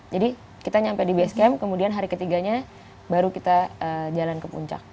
jadi kita sampai di base camp kemudian hari ketiganya baru kita jalan ke puncak